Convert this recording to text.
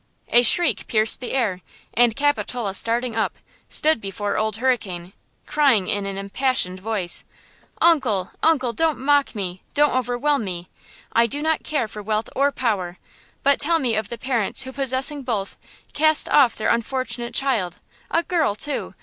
A shriek pierced the air, and Capitola starting up, stood before Old Hurricane, crying in an impassioned voice: "Uncle! Uncle! Don't mock me! Don't overwhelm me! I do not care for wealth or power; but tell me of the parents who possessing both, cast off their unfortunate child–a girl, too!